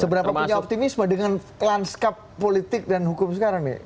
seberapa punya optimisme dengan lanskap politik dan hukum sekarang nih